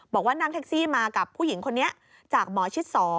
บอกว่านั่งแท็กซี่มากับผู้หญิงคนนี้จากหมอชิด๒